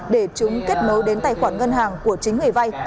để chúng kết nối đến tài khoản ngân hàng của chính người vay